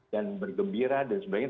dan bergembira dan sebagainya